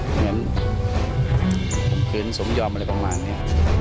เหมือนผมคืนสมยอมอะไรประมาณนี้